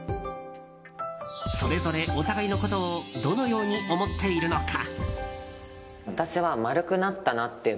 それぞれ、お互いのことをどのように思っているのか。